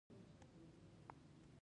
باسواده میندې د کورنۍ شخړې کموي.